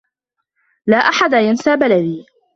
لا أحد ينسى بلدي.